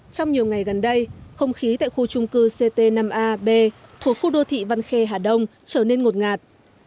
trong nhiều ngày gần đây không khí tại khu trung cư ct năm a b thuộc khu đô thị văn khe hà đông trở nên ngột ngạt